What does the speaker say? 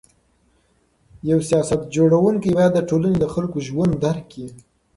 یو سیاست جوړونکی باید د ټولني د خلکو ژوند درک کړي.